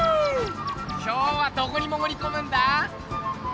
今日はどこにもぐりこむんだ？